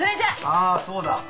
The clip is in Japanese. ああそうだ。